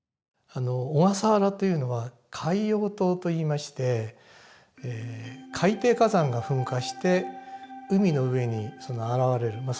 小笠原というのは海洋島といいまして海底火山が噴火して海の上に現れる。